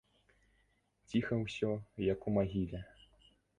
Ціха ўсё, як у магіле.